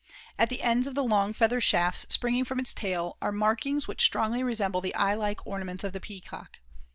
At the ends of the long feather shafts springing from its tail are markings which strongly resemble the eye like ornaments of the Peacock.